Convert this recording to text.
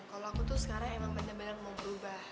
kalau aku tuh sekarang emang banyak banyak mau berubah